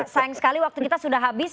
sayang sekali waktu kita sudah habis